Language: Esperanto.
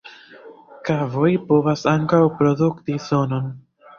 Kavoj povas ankaŭ produkti sonon.